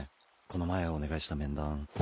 この前お願いした面談。